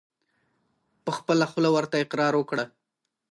په خپله خوله ورته اقرار وکړه !